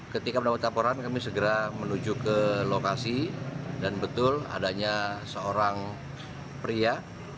ketika mendapat laporan kami segera menuju ke lokasi dan betul adanya seorang pria